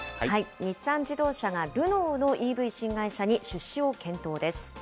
日産自動車がルノーのＥＶ新会社に出資を検討です。